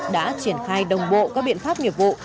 đã triển khai đồng bộ các biện pháp nghiệp vụ